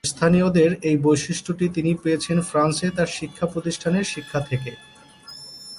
স্থানীয়দের এই বৈশিষ্ট্যটি তিনি পেয়েছেন ফ্রান্সে তার শিক্ষা প্রতিষ্ঠানের শিক্ষা থেকে।